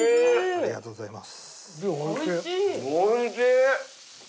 ありがとうございます。